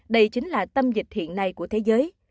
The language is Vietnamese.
đây chính là tâm dịch hiện nay của thế giới